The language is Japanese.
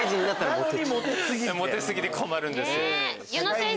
モテ過ぎて困るんです。